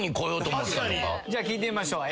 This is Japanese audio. じゃあ聞いてみましょう。